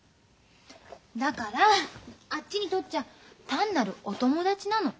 だからあっちにとっちゃ単なるお友達なの。